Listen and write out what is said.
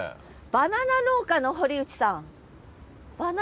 バナナ農家の堀内さん。